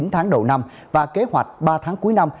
chín tháng đầu năm và kế hoạch ba tháng cuối năm